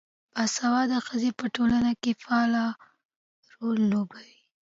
باسواده ښځې په ټولنه کې فعال رول لوبوي.